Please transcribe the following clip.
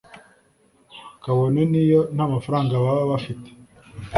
kabone n’iyo nta mafaranga baba bafite